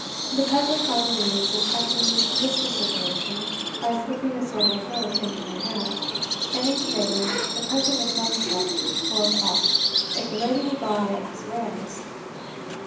The pedlar found the means of checking this vociferation by slipping a silver groat into her hand, and intimating the present of some stuff for a coif, if the lady would buy of his wares.